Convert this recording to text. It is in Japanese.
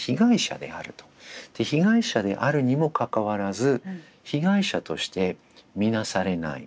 で被害者であるにもかかわらず被害者として見なされない。